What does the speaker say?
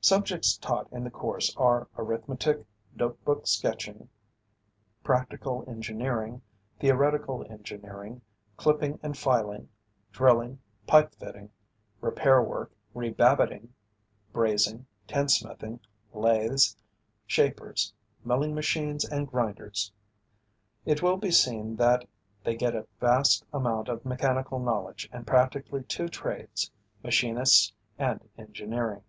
Subjects taught in the course are arithmetic, note book sketching, practical engineering, theoretical engineering, clipping and filing, drilling, pipe fitting, repair work, rebabbiting, brazing, tin smithing, lathes, shapers, milling machines and grinders. It will be seen that they get a vast amount of mechanical knowledge and practically two trades, machinists and engineering.